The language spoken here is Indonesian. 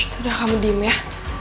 tidak kamu diam ya